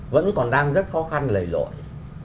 vẫn còn đang rất khó khăn lầy dội